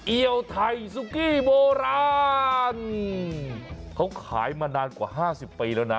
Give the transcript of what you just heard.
เอียวไทยซุกี้โบราณเขาขายมานานกว่าห้าสิบปีแล้วนะ